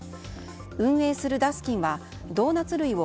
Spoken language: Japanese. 運営するダスキンはドーナツ類を